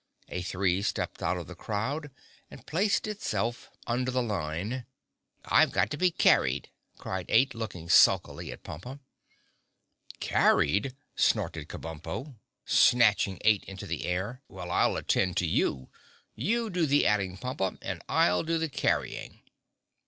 A Three stepped out of the crowd and placed itself under the line. "I've got to be carried!" cried Eight, looking sulkily at Pompa. "Carried!" snorted Kabumpo, snatching Eight into the air. "Well, I'll attend to you. You do the adding, Pompa, and I'll do the carrying."